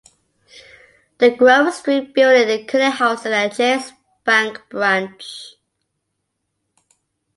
The Grove Street building currently houses a Chase Bank branch.